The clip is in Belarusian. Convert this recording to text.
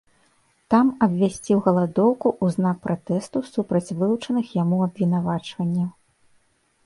Там абвясціў галадоўку ў знак пратэсту супраць вылучаных яму абвінавачванняў.